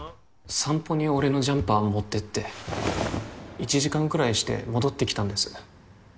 散歩に俺のジャンパーを持ってって１時間くらいして戻ってきたんです